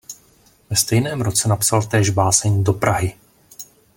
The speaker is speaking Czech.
Ve stejném roce napsal též báseň "Do Prahy".